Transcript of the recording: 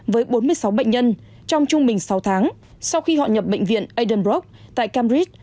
với bốn mươi sáu bệnh nhân trong trung bình sáu tháng sau khi họ nhập bệnh viện adenbroc tại camrit